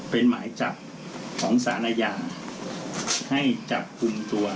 เป็นหมายจับของสารอาญาให้จับกลุ่มตัว